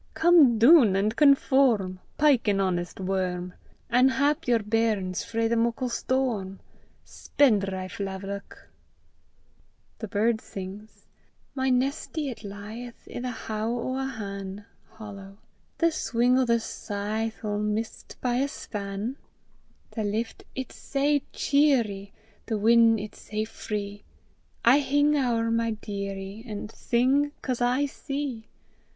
Come doon an' conform; Pyke an honest worm, An' hap yer bairns frae the muckle storm, Spendrife laverock! THE BIRD SINGS: My nestie it lieth I' the how (hollow) o' a han'; The swing o' the scythe 'Ill miss 't by a span. The lift it's sae cheerie! The win' it's sae free! I hing ower my dearie, An' sing 'cause I see.